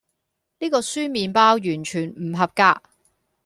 呢個酸麵包完全唔合格